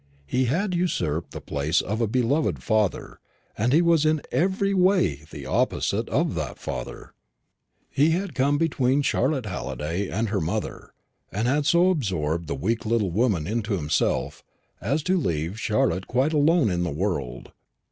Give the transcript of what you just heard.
He had usurped the place of a beloved father, and he was in every way the opposite of that father. He had come between Charlotte Halliday and her mother, and had so absorbed the weak little woman into himself, as to leave Charlotte quite alone in the world.